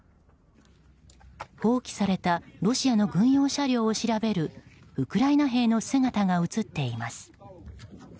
放棄されたロシアの軍用車両を調べるウクライナ兵の姿が映っています。